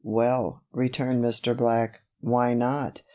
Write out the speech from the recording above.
"Well," returned Mr. Black, "why not?